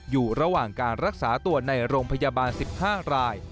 อยู่ระหว่างการรักษาตัวในโรงพยาบาล๑๕ราย